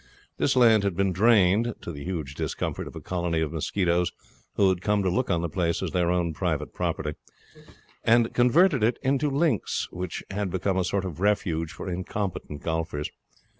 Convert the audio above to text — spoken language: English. This land had been drained to the huge discomfort of a colony of mosquitoes which had come to look on the place as their private property and converted into links, which had become a sort of refuge for incompetent golfers.